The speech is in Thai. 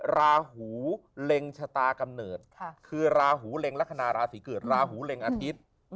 ราหูเรงชะตากำเนิดคือราหูเรงลัฮนาราศิเกิดราหูเรงอทิตย์